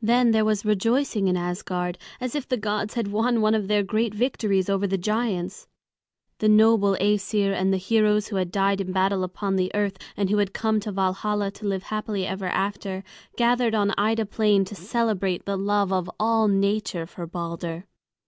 Then there was rejoicing in Asgard, as if the gods had won one of their great victories over the giants. The noble Æsir and the heroes who had died in battle upon the earth, and who had come to Valhalla to live happily ever after, gathered on Ida Plain to celebrate the love of all nature for Balder.